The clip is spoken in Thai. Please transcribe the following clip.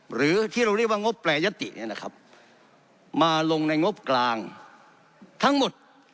หรือที่เราเรียกว่างบแปรยติเนี่ยนะครับมาลงในงบกลางทั้งหมด